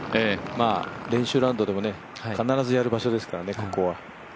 練習ラウンドでも必ずやる場所ですからね、ここは。